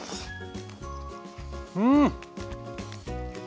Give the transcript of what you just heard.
うん！